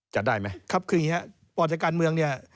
จะได้ไหมครับคืออย่างนี้ครับปอดจากการเมืองเนี่ย